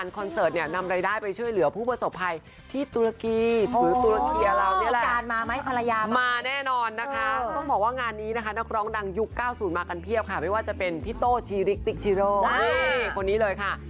พี่หมอสปฏิพันธ์เมียวเมียวเหงื่อก็มา